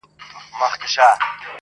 هو د هيندارو په لاسونو کي زه ژوند غواړمه